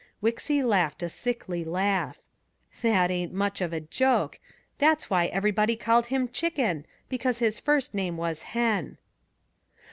Wixy laughed a sickly laugh. "That ain't much of a joke. That's why everybody called him Chicken, because his first name was Hen."